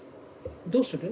どうする？